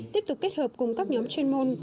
tiếp tục kết hợp cùng các nhóm chuyên môn